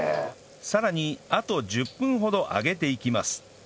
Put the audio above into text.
さらにあと１０分ほど揚げていきます